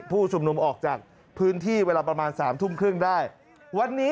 ผู้ชุบลุมออกจากพื้นที่เวลาประมาณ๓ทุ่มครึ่งได้